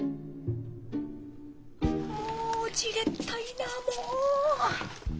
もうじれったいなもう。